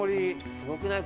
すごくない？